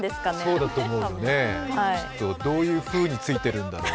そうだと思うよね、どういうふうについてるんだろう。